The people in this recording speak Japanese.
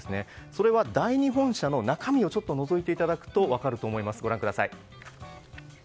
それは第２本社の中身をちょっとのぞいていただくと分かると思います。